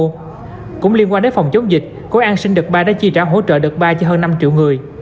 trong khi chống dịch cổ an sinh đợt ba đã chi trả hỗ trợ đợt ba cho hơn năm triệu người